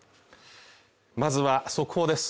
まずは速報です。